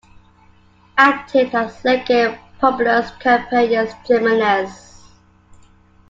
Acted as legate Publius Campanius Geminus.